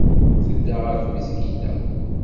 Tedda ɣer tmesgida.